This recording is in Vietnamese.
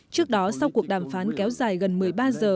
trước đó sau cuộc đàm phán kéo dài gần một mươi ba giờ